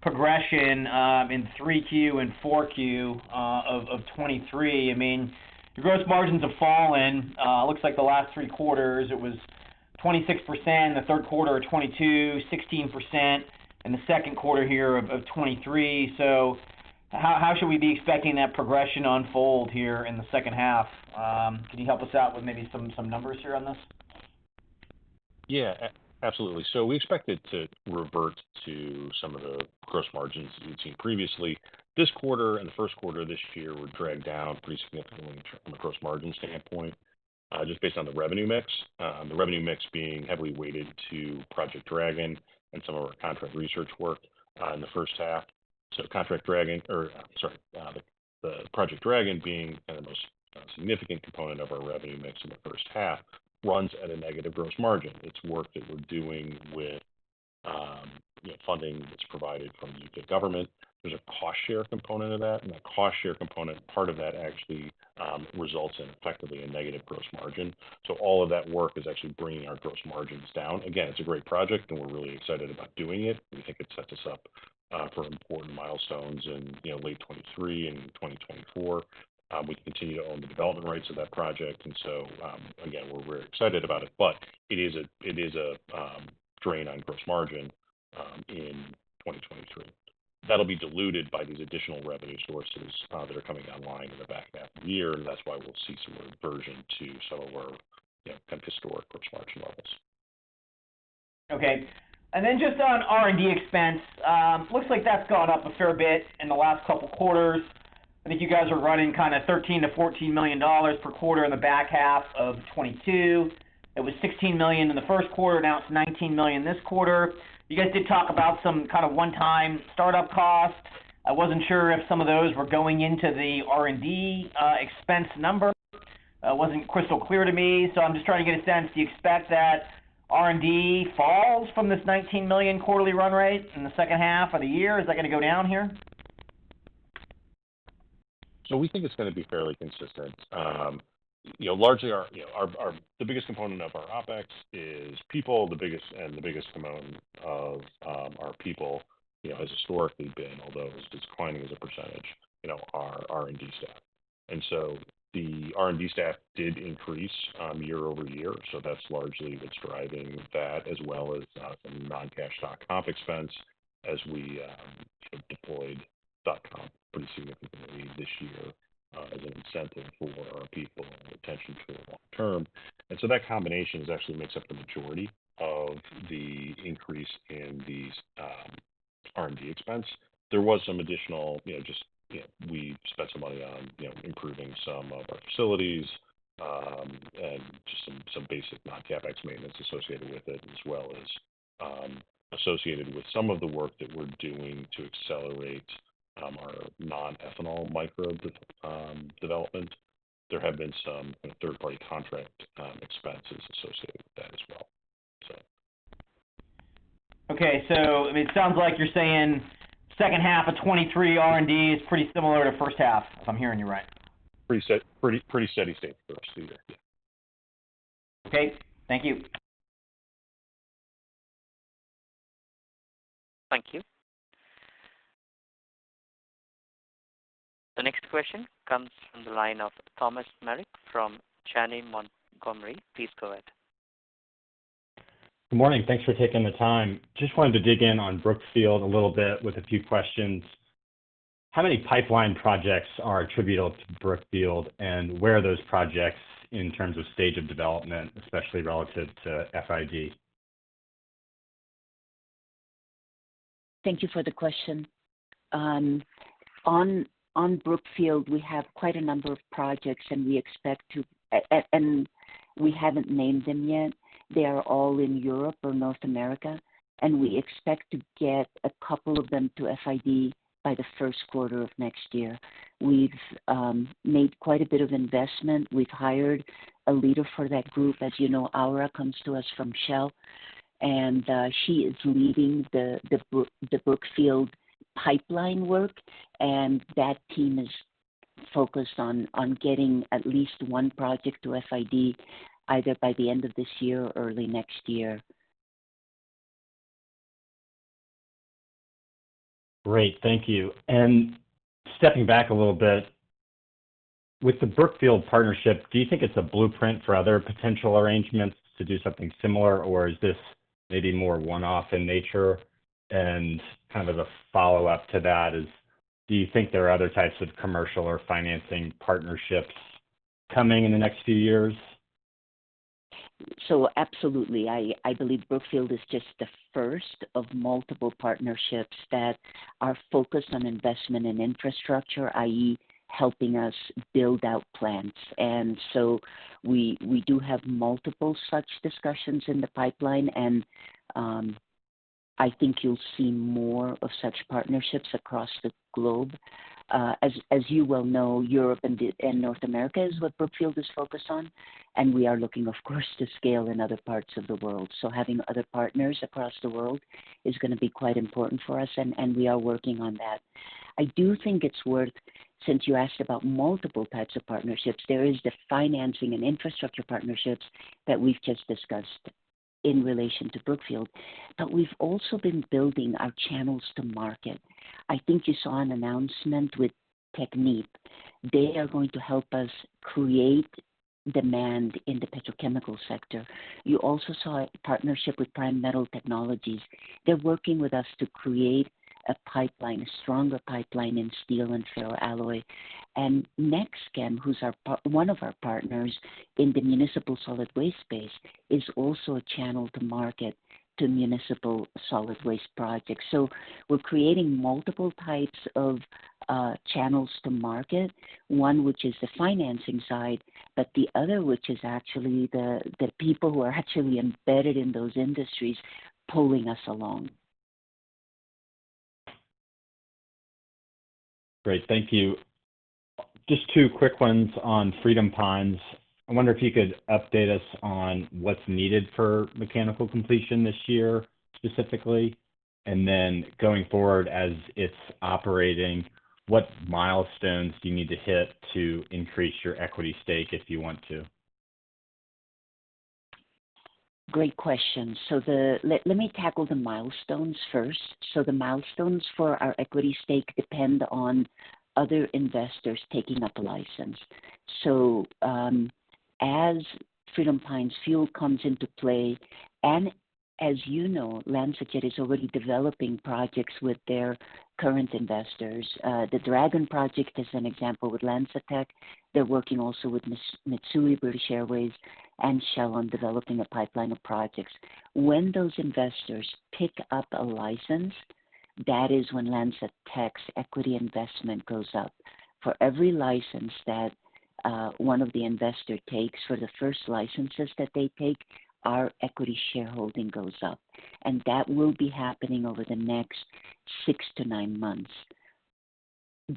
progression in 3Q and 4Q of 2023. I mean, your gross margins have fallen, looks like the last three quarters, it was 26% in the third quarter of 2022, 16% in the second quarter here of 2023. How, how should we be expecting that progression to unfold here in the second half? Can you help us out with maybe some, some numbers here on this? Yeah, absolutely. We expect it to revert to some of the gross margins that we've seen previously. This quarter and the first quarter of this year were dragged down pretty significantly from a gross margin standpoint, just based on the revenue mix. The revenue mix being heavily weighted to Project Dragon and some of our contract research work in the first half. Contract Dragon or... Sorry, the Project Dragon being kind of most significant component of our revenue mix in the first half, runs at a negative gross margin. It's work that we're doing with, you know, funding that's provided from the government. There's a cost share component of that, and that cost share component, part of that actually, results in effectively a negative gross margin. All of that work is actually bringing our gross margins down. Again, it's a great project, and we're really excited about doing it. We think it sets us up for important milestones in, you know, late 2023 and 2024. We continue to own the development rights of that project, and so, again, we're very excited about it, but it is a, it is a drain on gross margin in 2023. That'll be diluted by these additional revenue sources that are coming online in the back half of the year, and that's why we'll see some reversion to some of our, you know, kind of historic gross margin levels. Okay. Just on R&D expense, looks like that's gone up a fair bit in the last couple quarters. I think you guys are running kind of $13 million-$14 million per quarter in the back half of 2022. It was $16 million in the 1st quarter, now it's $19 million this quarter. You guys did talk about some kind of one-time start-up costs. I wasn't sure if some of those were going into the R&D expense number. Wasn't crystal clear to me, I'm just trying to get a sense. Do you expect that R&D falls from this $19 million quarterly run rate in the 2nd half of the year? Is that gonna go down here? We think it's gonna be fairly consistent. You know, largely our, you know. The biggest component of our OpEx is people, the biggest and the biggest component of our people, you know, has historically been, although it's declining as a percentage, you know, our R&D staff. The R&D staff did increase year-over-year, so that's largely what's driving that, as well as some non-cash stock comp expense as we deployed stock comp pretty significantly this year as an incentive for our people and retention through the long term. That combination is actually makes up the majority of the increase in the R&D expense. There was some additional, you know, just, you know, we spent some money on, you know, improving some of our facilities, and just some, some basic non-CapEx maintenance associated with it, as well as associated with some of the work that we're doing to accelerate our non-ethanol microbe development. There have been some third-party contract expenses associated with that as well. Okay. It sounds like you're saying second half of 2023 R&D is pretty similar to first half, if I'm hearing you right? Pretty steady state for us too there. Okay, thank you. Thank you. The next question comes from the line of Thomas Meric from Janney Montgomery. Please go ahead. Good morning. Thanks for taking the time. Just wanted to dig in on Brookfield a little bit with a few questions. How many pipeline projects are attributable to Brookfield, and where are those projects in terms of stage of development, especially relative to FID? Thank you for the question. On, on Brookfield, we have quite a number of projects, and we expect to... we haven't named them yet. They are all in Europe or North America, and we expect to get a couple of them to FID by the first quarter of next year. We've made quite a bit of investment. We've hired a leader for that group. As you know, Aura comes to us from Shell, and she is leading the Brookfield pipeline work, and that team is focused on, on getting at least one project to FID, either by the end of this year or early next year. Great. Thank you. Stepping back a little bit, with the Brookfield partnership, do you think it's a blueprint for other potential arrangements to do something similar, or is this maybe more one-off in nature? Kind of a follow-up to that is, do you think there are other types of commercial or financing partnerships coming in the next few years? Absolutely. I, I believe Brookfield is just the first of multiple partnerships that are focused on investment and infrastructure, i.e., helping us build out plants. We, we do have multiple such discussions in the pipeline, and I think you'll see more of such partnerships across the globe. As, as you well know, Europe and North America is what Brookfield is focused on, and we are looking, of course, to scale in other parts of the world. Having other partners across the world is gonna be quite important for us, and we are working on that. I do think it's worth, since you asked about multiple types of partnerships, there is the financing and infrastructure partnerships that we've just discussed in relation to Brookfield, but we've also been building our channels to market. I think you saw an announcement with Technip. They are going to help us create demand in the petrochemical sector. You also saw a partnership with Primetals Technologies. They're working with us to create a pipeline, a stronger pipeline in steel and ferroalloy. NextChem, who's one of our partners in the municipal solid waste space, is also a channel to market to municipal solid waste projects. We're creating multiple types of channels to market, one, which is the financing side, but the other, which is actually the, the people who are actually embedded in those industries, pulling us along. Great, thank you. Just two quick ones on Freedom Pines. I wonder if you could update us on what's needed for mechanical completion this year, specifically? Then going forward as it's operating, what milestones do you need to hit to increase your equity stake if you want to? Let me tackle the milestones first. The milestones for our equity stake depend on other investors taking up a license. As Freedom Pines Fuels comes into play, and as you know, LanzaJet is already developing projects with their current investors. Project Dragon is an example with LanzaTech. They're working also with Mitsui, British Airways, and Shell on developing a pipeline of projects. When those investors pick up a license, that is when LanzaTech's equity investment goes up. For every license that, one of the investor takes, for the first licenses that they take, our equity shareholding goes up, and that will be happening over the next six to nine months.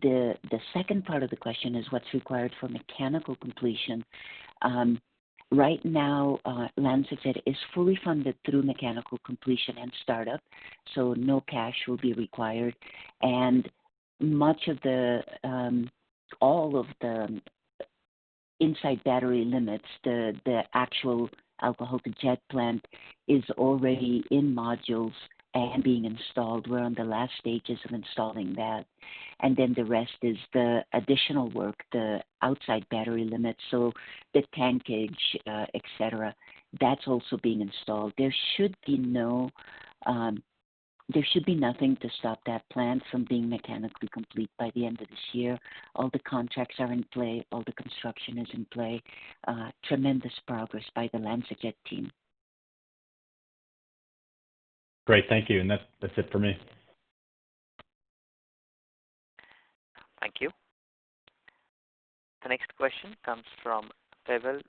The second part of the question is what's required for mechanical completion. Right now, LanzaJet is fully funded through mechanical completion and startup, so no cash will be required. Much of the, all of the inside battery limits, the, the actual alcohol-to-jet plant, is already in modules and being installed. We're on the last stages of installing that. The rest is the additional work, the outside battery limits, so the tankage, et cetera. That's also being installed. There should be no, there should be nothing to stop that plant from being mechanically complete by the end of this year. All the contracts are in play, all the construction is in play. Tremendous progress by the LanzaJet team. Great, thank you. That's, that's it for me. Thank you. The next question comes from Pavel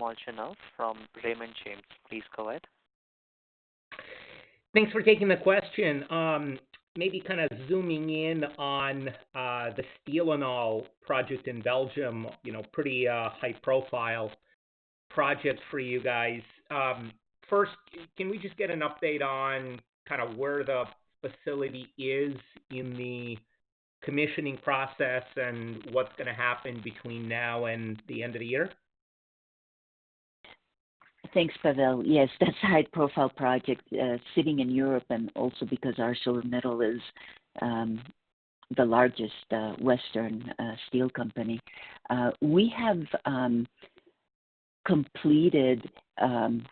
Molchanov from Raymond James. Please go ahead. Thanks for taking the question. Maybe kind of zooming in on the ArcelorMittal project in Belgium, you know, pretty high-profile project for you guys. First, can we just get an update on kind of where the facility is in the commissioning process and what's gonna happen between now and the end of the year? Thanks, Pavel. Yes, that's a high-profile project, sitting in Europe and also because ArcelorMittal is the largest Western steel company. We have completed the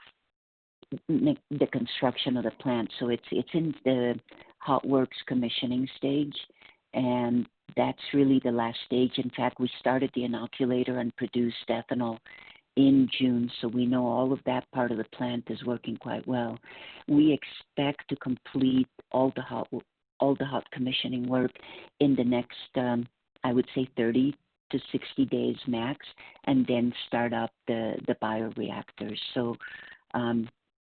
construction of the plant, so it's in the hot works commissioning stage, and that's really the last stage. In fact, we started the inoculator and produced ethanol in June, so we know all of that part of the plant is working quite well. We expect to complete all the hot, all the hot commissioning work in the next, I would say 30-60 days max, and then start up the bioreactors.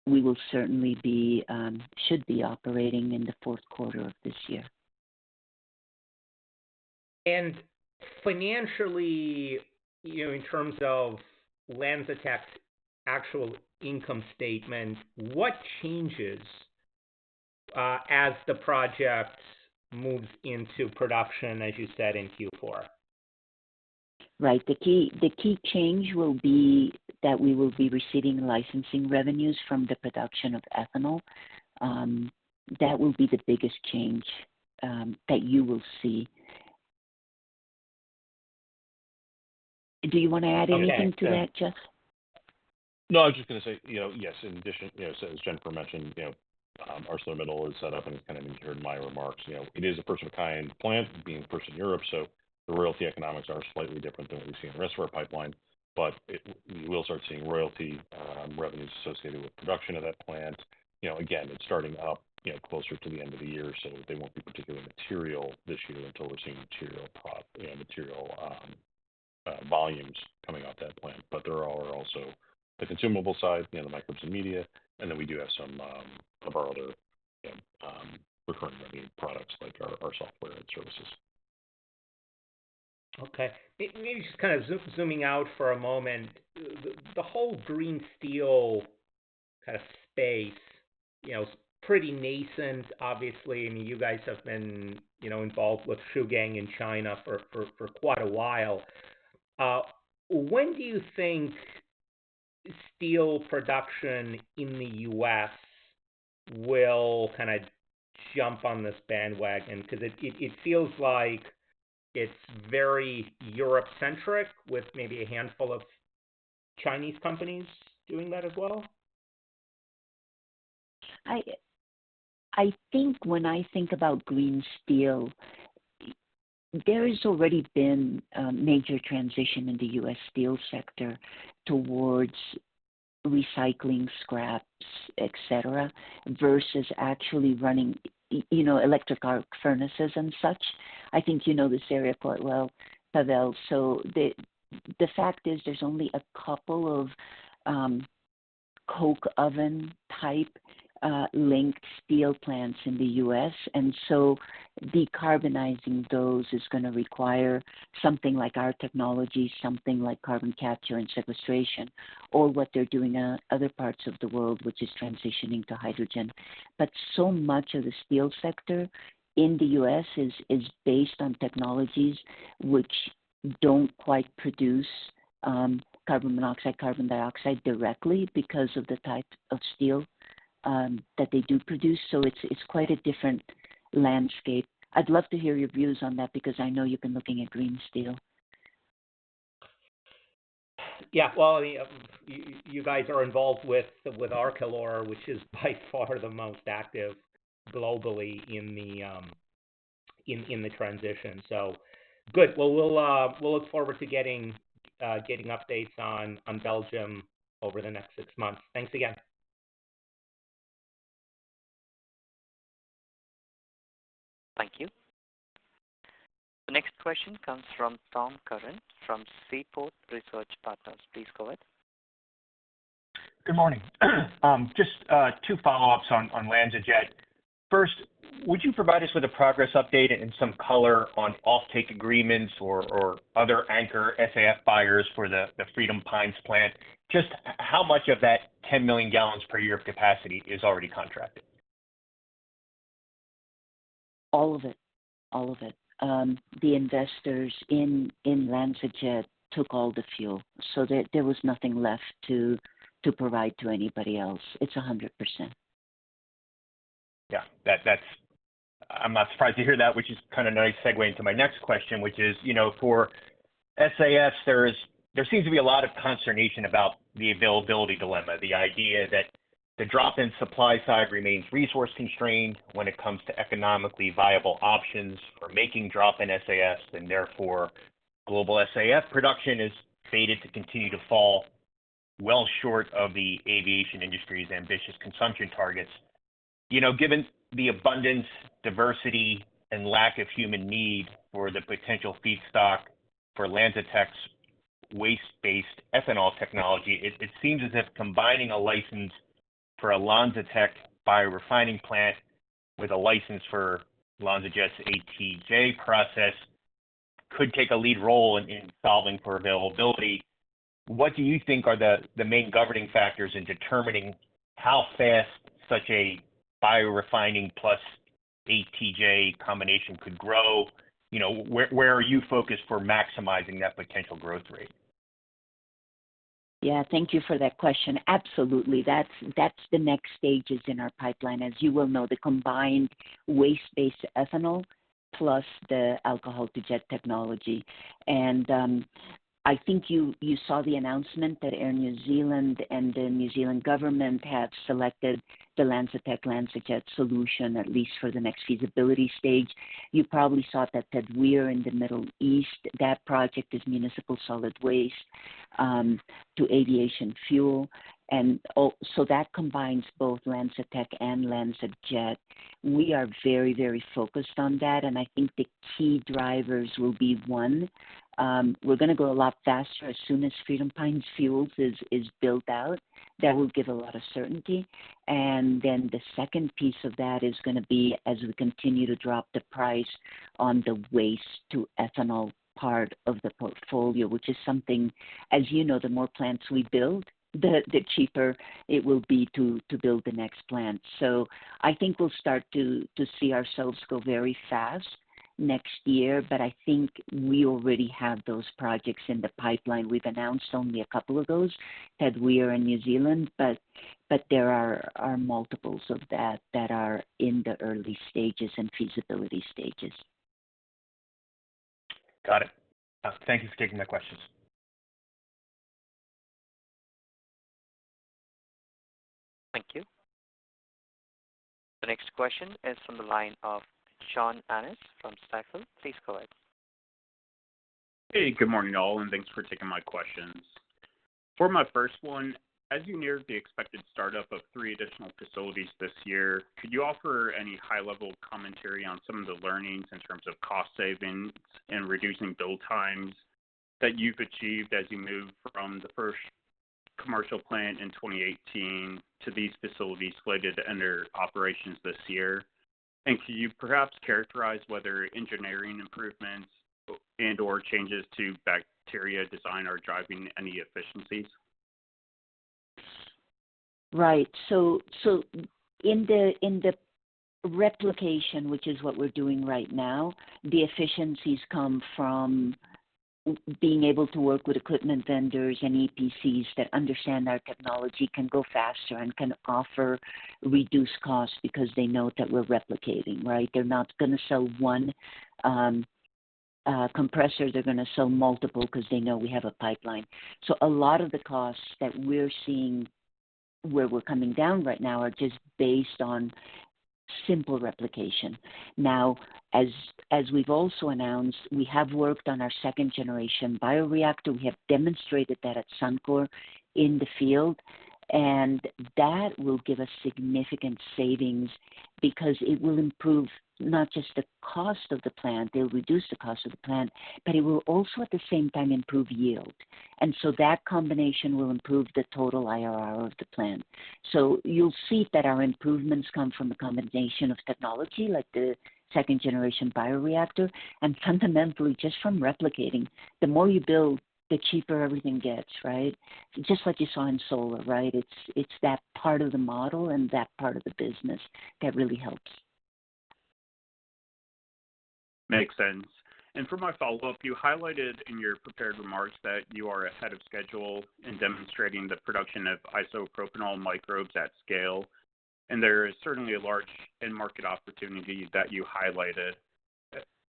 We will certainly should be operating in the fourth quarter of this year. Financially, you know, in terms of LanzaTech's actual income statement, what changes as the project moves into production, as you said, in Q4? Right. The key, the key change will be that we will be receiving licensing revenues from the production of ethanol. That will be the biggest change, that you will see. Do you want to add anything to that, Geoff? No, I was just gonna say, you know, yes, in addition, you know, as Jennifer mentioned, you know, ArcelorMittal is set up, and kind of you heard my remarks, you know, it is a first-of-its-kind plant, being first in Europe, the royalty economics are slightly different than what we see in the rest of our pipeline. We will start seeing royalty revenues associated with production of that plant. You know, again, it's starting up, you know, closer to the end of the year, they won't be particularly material this year until we're seeing material prop and material volumes coming off that plant. There are also the consumable side, you know, the microbes and media, and then we do have some of our other, you know, recurring revenue products like our, our software and services. Okay. Maybe just kind of zooming out for a moment, the, the whole green steel kind of space, you know, is pretty nascent, obviously. I mean, you guys have been, you know, involved with Shougang in China for, for, for quite a while. When do you think steel production in the US will kind of jump on this bandwagon? It, it, it feels like it's very Europe-centric, with maybe a handful of Chinese companies doing that as well. I think when I think about green steel, there has already been a major transition in the U.S. steel sector towards recycling scraps, et cetera, versus actually running, you know, electric arc furnaces and such. I think you know this area quite well, Pavel. The fact is, there's only a couple of coke oven type linked steel plants in the U.S., and so decarbonizing those is gonna require something like our technology, something like carbon capture and sequestration, or what they're doing in other parts of the world, which is transitioning to hydrogen. So much of the steel sector in the U.S. is based on technologies which don't quite produce carbon monoxide, carbon dioxide directly because of the type of steel that they do produce, so it's quite a different landscape. I'd love to hear your views on that, because I know you've been looking at green steel. Yeah. Well, you, you guys are involved with, with Arcelor, which is by far the most active globally in the, in, in the transition. Good. Well, we'll, we'll look forward to getting, getting updates on, on Belgium over the next six months. Thanks again. Thank you. The next question comes from Tom Curran from Seaport Research Partners. Please go ahead. Good morning. Just two follow-ups on LanzaJet. First, would you provide us with a progress update and some color on offtake agreements or, or other anchor SAF buyers for the Freedom Pines plant? Just how much of that 10 million gallons per year of capacity is already contracted? All of it. All of it. The investors in, in LanzaJet took all the fuel. There, there was nothing left to, to provide to anybody else. It's 100%. Yeah, I'm not surprised to hear that, which is kind of a nice segue into my next question, which is, you know, for SAF, there is, there seems to be a lot of consternation about the availability dilemma, the idea that the drop-in supply side remains resource constrained when it comes to economically viable options for making drop-in SAF, and therefore global SAF production is fated to continue to fall well short of the aviation industry's ambitious consumption targets. You know, given the abundance, diversity, and lack of human need for the potential feedstock for LanzaTech's waste-based ethanol technology, it, it seems as if combining a license for a LanzaTech biorefining plant with a license for LanzaJet's ATJ process could take a lead role in, in solving for availability. What do you think are the, the main governing factors in determining how fast such a biorefining plus ATJ combination could grow? You know, where, where are you focused for maximizing that potential growth rate? Yeah, thank you for that question. Absolutely, that's, that's the next stages in our pipeline. As you well know, the combined waste-based ethanol plus the alcohol-to-jet technology. I think you, you saw the announcement that Air New Zealand and the New Zealand government have selected the LanzaTech LanzaJet solution, at least for the next feasibility stage. You probably saw that, that we are in the Middle East. That project is municipal solid waste, to aviation fuel, and so that combines both LanzaTech and LanzaJet. We are very, very focused on that, and I think the key drivers will be, one, we're gonna go a lot faster as soon as Freedom Pines Fuels is, is built out.... That will give a lot of certainty. The second piece of that is gonna be, as we continue to drop the price on the waste to ethanol part of the portfolio, which is something, as you know, the more plants we build, the, the cheaper it will be to, to build the next plant. I think we'll start to, to see ourselves go very fast next year, but I think we already have those projects in the pipeline. We've announced only a couple of those, that we are in New Zealand, but, but there are, are multiples of that that are in the early stages and feasibility stages. Got it. Thank you for taking my questions. Thank you. The next question is from the line of John Annis from Stifel. Please go ahead. Hey, good morning, all, thanks for taking my questions. For my first one, as you near the expected startup of three additional facilities this year, could you offer any high-level commentary on some of the learnings in terms of cost savings and reducing build times that you've achieved as you move from the first commercial plant in 2018 to these facilities slated to enter operations this year? Could you perhaps characterize whether engineering improvements and/or changes to bacteria design are driving any efficiencies? Right. In the, in the replication, which is what we're doing right now, the efficiencies come from being able to work with equipment vendors and EPCs that understand our technology, can go faster, and can offer reduced costs because they know that we're replicating, right? They're not gonna sell one compressor. They're gonna sell multiple 'cause they know we have a pipeline. A lot of the costs that we're seeing, where we're coming down right now, are just based on simple replication. Now, as, as we've also announced, we have worked on our second generation bioreactor. We have demonstrated that at Suncor in the field, and that will give us significant savings because it will improve not just the cost of the plant, it'll reduce the cost of the plant, but it will also, at the same time, improve yield. That combination will improve the total IRR of the plant. You'll see that our improvements come from a combination of technology, like the second generation bioreactor, and fundamentally just from replicating. The more you build, the cheaper everything gets, right? Just like you saw in solar, right? It's, it's that part of the model and that part of the business that really helps. Makes sense. For my follow-up, you highlighted in your prepared remarks that you are ahead of schedule in demonstrating the production of isopropanol microbes at scale, and there is certainly a large end market opportunity that you highlighted.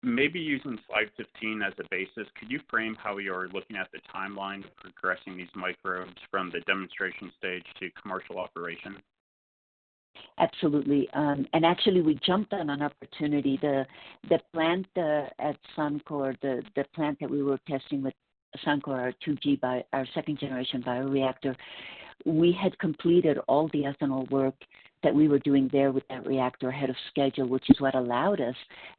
Maybe using slide 15 as a basis, could you frame how you are looking at the timeline of progressing these microbes from the demonstration stage to commercial operation? Absolutely. Actually, we jumped on an opportunity. The plant at Suncor, the plant that we were testing with Suncor, our second generation bioreactor, we had completed all the ethanol work that we were doing there with that reactor ahead of schedule, which is what allowed us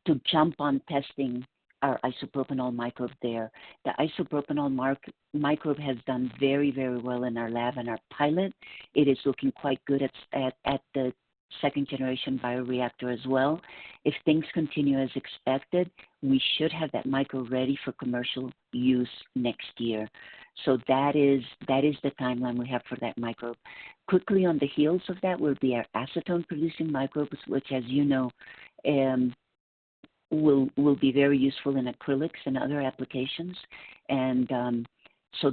to jump on testing our isopropanol microbe there. The isopropanol microbe has done very, very well in our lab and our pilot. It is looking quite good at the second generation bioreactor as well. If things continue as expected, we should have that microbe ready for commercial use next year. That is, that is the timeline we have for that microbe. Quickly on the heels of that will be our acetone-producing microbes, which, as you know, will be very useful in acrylics and other applications.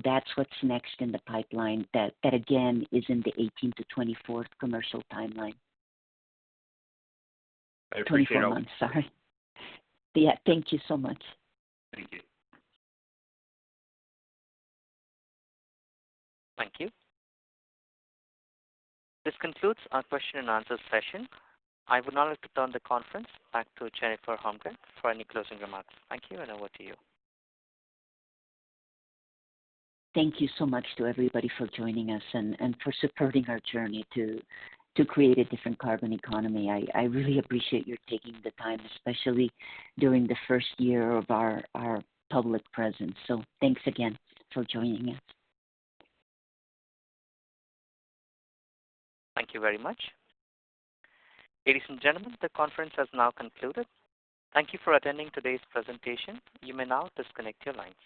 That's what's next in the pipeline. That, again, is in the 18th-24th commercial timeline. I appreciate- 24 months, sorry. Yeah, thank you so much. Thank you. Thank you. This concludes our question and answer session. I would now like to turn the conference back to Jennifer Holmgren for any closing remarks. Thank you, over to you. Thank you so much to everybody for joining us and, and for supporting our journey to, to create a different carbon economy. I, I really appreciate you taking the time, especially during the first year of our, our public presence. Thanks again for joining us. Thank you very much. Ladies and gentlemen, the conference has now concluded. Thank you for attending today's presentation. You may now disconnect your lines.